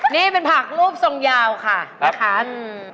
นี่เป็นผักรูปทรงยาวค่ะนะคะอืม